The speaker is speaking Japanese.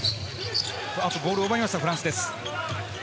ボールを奪いましたフランスです。